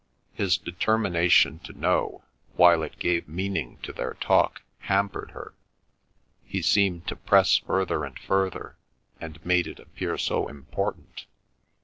His determination to know, while it gave meaning to their talk, hampered her; he seemed to press further and further, and made it appear so important.